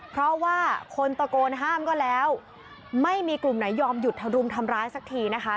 เพราะว่าคนตะโกนห้ามก็แล้วไม่มีกลุ่มไหนยอมหยุดเธอรุมทำร้ายสักทีนะคะ